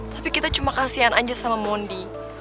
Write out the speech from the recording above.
tapi kita cuma kasihan aja sama mondi